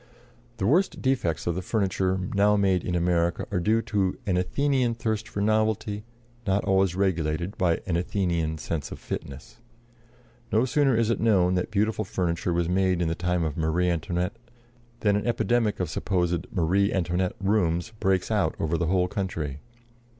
The worst defects of the furniture now made in America are due to an Athenian thirst for novelty, not always regulated by an Athenian sense of fitness. No sooner is it known that beautiful furniture was made in the time of Marie Antoinette than an epidemic of supposed "Marie Antoinette" rooms breaks out over the whole country.